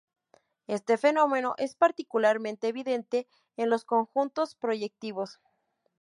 Este fenómeno es particularmente evidente en los conjuntos proyectivos.